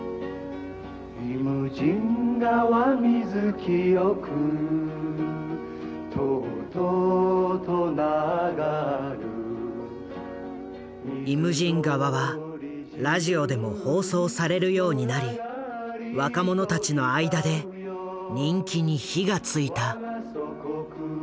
清くとうとうと流る」「イムジン河」はラジオでも放送されるようになり若者たちの間で人気に火がついた。